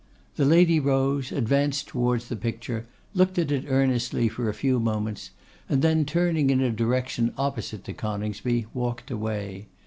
The lady rose, advanced towards the picture, looked at it earnestly for a few moments, and then, turning in a direction opposite to Coningsby, walked away.